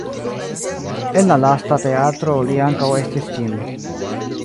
En la lasta teatro li ankaŭ estris ĝin.